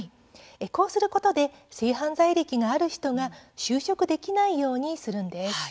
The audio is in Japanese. こうすることで性犯罪歴がある人が就職できないようにするんです。